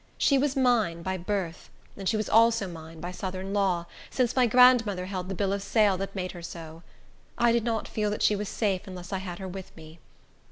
She was mine by birth, and she was also mine by Southern law, since my grandmother held the bill of sale that made her so. I did not feel that she was safe unless I had her with me.